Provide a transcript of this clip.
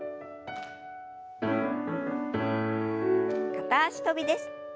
片脚跳びです。